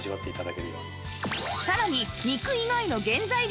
さらに